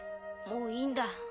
もういいんだ。